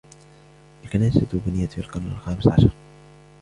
الكنيسة بُنيت في القرن الخامس عشر.